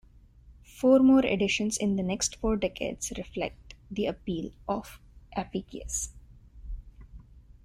Four more editions in the next four decades reflect the appeal of "Apicius".